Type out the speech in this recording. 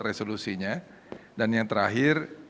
resolusinya dan yang terakhir